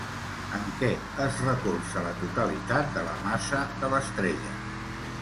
En què es recolza la totalitat de la massa de l'estrella?